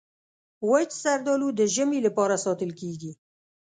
وچ زردالو د ژمي لپاره ساتل کېږي.